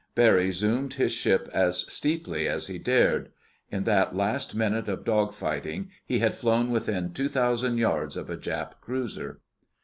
Barry zoomed his ship as steeply as he dared. In that last minute of dogfighting he had flown within two thousand yards of a Jap cruiser.